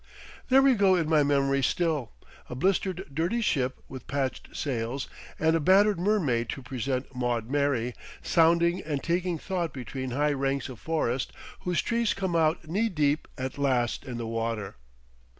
There we go in my memory still, a blistered dirty ship with patched sails and a battered mermaid to present Maud Mary, sounding and taking thought between high ranks of forest whose trees come out knee deep at last in the water.